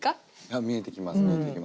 見えてきます見えてきます。